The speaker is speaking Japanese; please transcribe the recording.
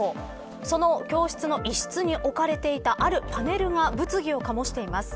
その教室の一室に置かれていたあるパネルが物議を醸しています。